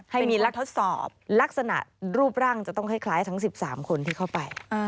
ให้มีรักทดสอบลักษณะรูปร่างจะต้องคล้ายทั้ง๑๓คนที่เข้าไป